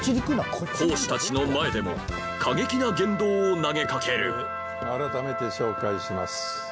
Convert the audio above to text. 講師たちの前でも過激な言動を投げ掛ける改めて紹介します。